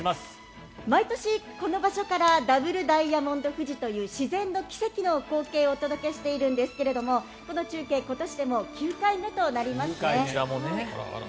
毎年この場所からダブルダイヤモンド富士という自然の奇跡の光景をお届けしているんですがこの中継、今年でもう９回目となりますね。